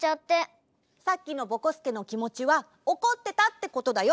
さっきのぼこすけのきもちはおこってたってことだよ！